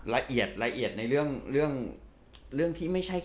ละเอียดในเรื่องที่ไม่ใช่แค่นี้